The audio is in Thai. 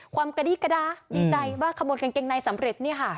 กระดี้กระดาดีใจว่าขโมยกางเกงในสำเร็จนี่ค่ะ